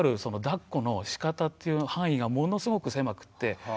そのだっこのしかたという範囲がものすごく狭くて。